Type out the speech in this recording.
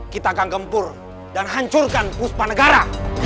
kita akan gempur dan hancurkan puspa negara